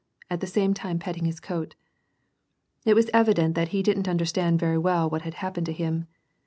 at the same time patting his coat. It was evident that he didn't understand very well what had happened to him.